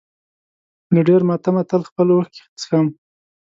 له ډېر ماتمه تل خپلې اوښکې څښم.